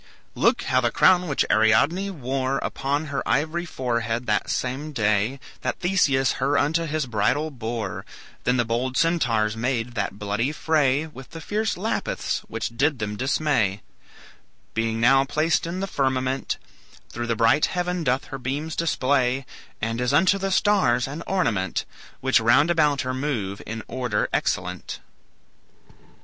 "Look how the crown which Ariadne wore Upon her ivory forehead that same day That Theseus her unto his bridal bore, Then the bold Centaurs made that bloody fray With the fierce Lapiths which did them dismay; Being now placed in the firmament, Through the bright heaven doth her beams display, And is unto the stars an ornament, Which round about her move in order excellent."